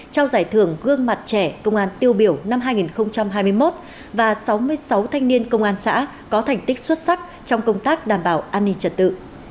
trao giải thưởng gương mặt trẻ công an tiêu biểu năm hai nghìn hai mươi một và sáu mươi sáu thanh niên công an xã có thành tích xuất sắc trong công tác đảm bảo an ninh trật tự